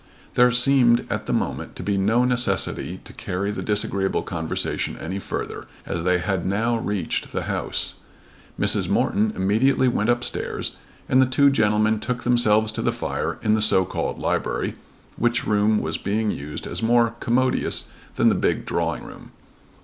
There seemed at the moment to be no necessity to carry the disagreeable conversation any further as they had now reached the house. Mrs. Morton immediately went up stairs, and the two gentlemen took themselves to the fire in the so called library, which room was being used as more commodious than the big drawing room.